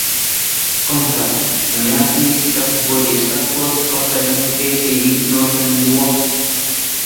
Komisār, man jāatzīst, ka, godīgi sakot, pašlaik mūsu tiesību īstenošana ir joks.